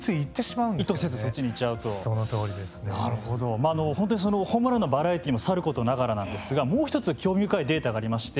まあ本当にそのホームランのバラエティーもさることながらなんですがもうひとつ興味深いデータがありまして。